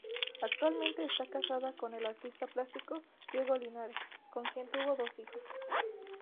Actualmente está casada con el artista plástico Diego Linares con quien tuvo dos hijos.